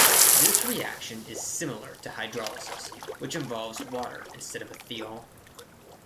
This reaction is similar to hydrolysis, which involves water instead of a thiol.